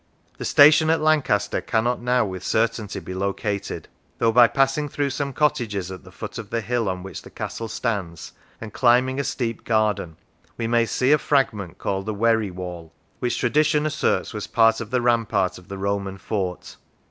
The station at Lancaster cannot now with certainty be located, though by passing through some cottages at the foot of the hill on which the castle stands, and climbing a steep garden, we may see a fragment called the "Wery wall," which tradition asserts was part of the rampart of the Roman fort.